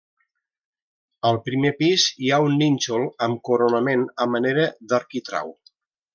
Al primer pis hi ha un nínxol amb coronament a manera d'arquitrau.